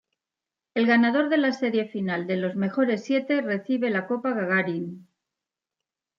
El ganador de la serie final de los mejores siete recibe la Copa Gagarin.